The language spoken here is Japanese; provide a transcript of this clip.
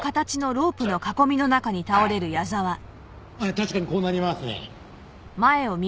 確かにこうなりますね。